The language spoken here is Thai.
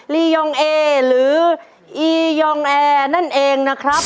ลียองเอหรืออียองแอร์นั่นเองนะครับ